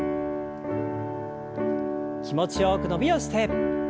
気持ちよく伸びをして。